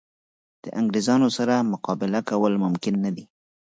د انګرېزانو سره مقابله کول ممکن نه دي.